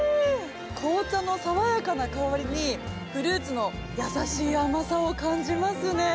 紅茶の爽やかな香りにフルーツの優しい甘さを感じますね。